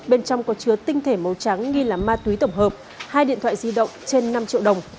bên trong có chứa tinh thể màu trắng nghi là ma túy tổng hợp hai điện thoại di động trên năm triệu đồng